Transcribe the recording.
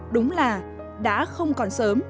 đúng là đã không còn sớm